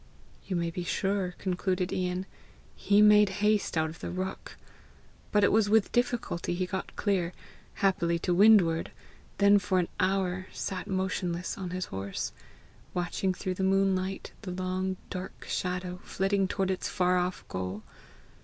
"You may be sure," concluded Ian, "he made haste out of the ruck! But it was with difficulty he got clear, happily to windward then for an hour sat motionless on his horse, watching through the moonlight the long dark shadow flitting toward its far off goal.